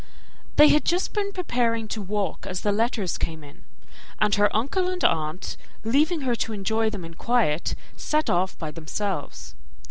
They had just been preparing to walk as the letters came in; and her uncle and aunt, leaving her to enjoy them in quiet, set off by themselves.